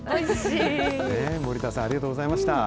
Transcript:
森田さん、ありがとうございました。